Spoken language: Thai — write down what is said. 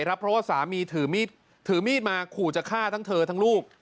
เพราะว่าสามีถือมีดมาขู่จะฆ่าทั้งเธอทั้งลูก